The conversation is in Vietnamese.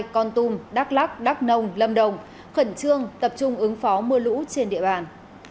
con tum đắk lắc đắk nông lâm đồng khẩn trương tập trung ứng phó mưa lũ trên địa bàn